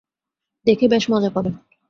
দেখে বেশ মজা পাবেন।